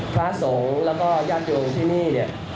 พระสงฆ์แล้วก็ญาติโยมที่นี่เนี่ย